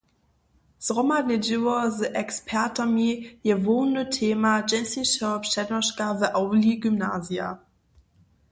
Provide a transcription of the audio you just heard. Zhromadne dźěło z ekspertami je hłowny tema dźensnišeho přednoška w awli gymnazija.